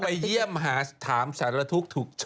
พี่ไปเหาะเขาขนาดนี้เลยหรอ